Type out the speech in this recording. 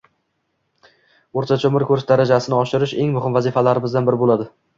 o‘rtacha umr ko‘rish darajasini oshirish eng muhim vazifalarimizdan biri bo‘ladi.